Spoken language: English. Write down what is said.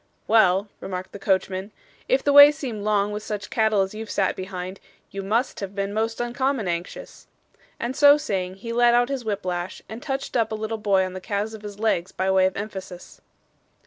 'Well,' remarked the coachman, 'if the way seemed long with such cattle as you've sat behind, you MUST have been most uncommon anxious;' and so saying, he let out his whip lash and touched up a little boy on the calves of his legs by way of emphasis.